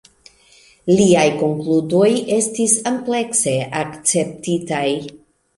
Liaj konkludoj estis amplekse akceptitaj.